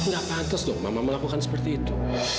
gak pantas dong mama melakukan seperti itu